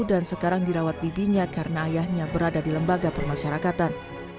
dan sekarang dirawat bibinya karena ayahnya berada di lembaga permasyarakatan